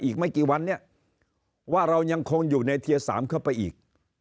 อีกไม่กี่วันเนี่ยว่าเรายังคงอยู่ในเทียร์๓เข้าไปอีก